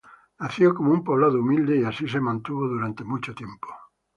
Nació como un poblado humilde y así se mantuvo durante mucho tiempo.